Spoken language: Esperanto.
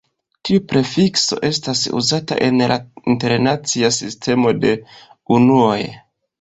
Tiu prefikso estas uzata en la internacia sistemo de unuoj.